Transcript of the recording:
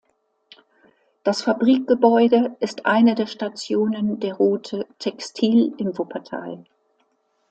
Das Fabrikgebäude ist eine der Stationen der Route „Textil im Wuppertal“.